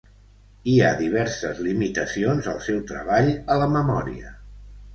Hi ha diverses limitacions al seu treball a la memòria.